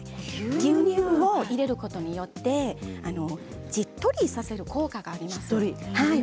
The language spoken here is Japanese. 牛乳を入れることによってしっとりさせる効果があります。